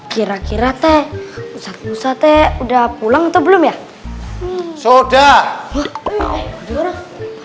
kira kira teh usah usah teh udah pulang atau belum ya sudah